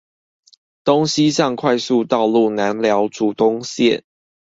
東西向快速公路南寮竹東線